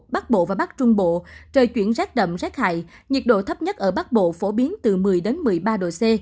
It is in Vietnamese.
bắc bộ và bắc trung bộ trời chuyển rét đậm rét hại nhiệt độ thấp nhất ở bắc bộ phổ biến từ một mươi một mươi ba độ c